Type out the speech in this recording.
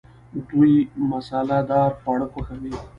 دوی مساله دار خواړه خوښوي.